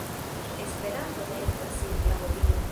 Esperanto ne estas simpla hobio.